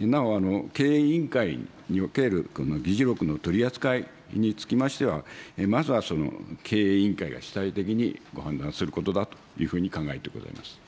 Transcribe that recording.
なお、経営委員会における議事録の取り扱いにつきましては、まずは経営委員会が主体的にご判断することだというふうに考えてございます。